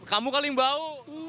kamu kali yang bau